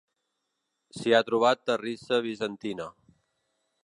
S'hi ha trobat terrissa bizantina.